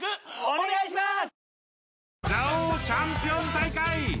お願いします！